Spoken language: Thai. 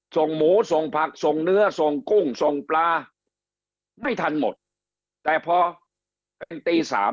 ส่งหมูส่งผักส่งเนื้อส่งกุ้งส่งปลาไม่ทันหมดแต่พอเป็นตีสาม